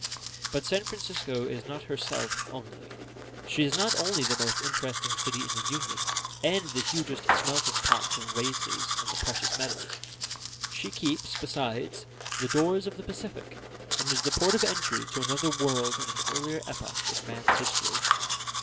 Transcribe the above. But San Francisco is not herself only. She is not only the most interesting city in the Union, and the hugest smelting pot of races and the precious metals. She keeps, besides, the doors of the Pacific, and is the port of entry to another world and an earlier epoch in man's history.